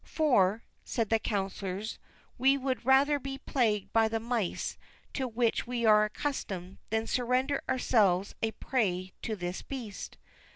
"For," said the councilors, "we would rather be plagued by the mice, to which we are accustomed, than surrender ourselves a prey to this beast."